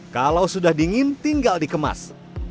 kalau sudah dingin tinggal dikemas